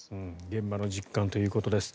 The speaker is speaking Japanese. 現場の実感ということです。